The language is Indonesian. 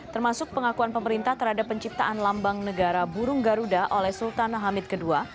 termasuk pengakuan pemerintah terhadap penciptaan lambang negara burung garuda oleh sultan hamid ii